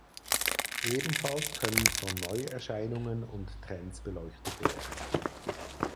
Ebenfalls können von Neuerscheinungen und Trends beleuchtet werden.